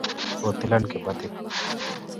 kotilan kibat